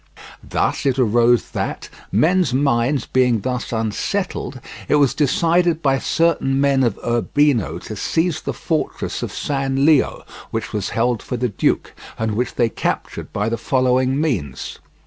Thus it arose that, men's minds being thus unsettled, it was decided by certain men of Urbino to seize the fortress of San Leo, which was held for the duke, and which they captured by the following means.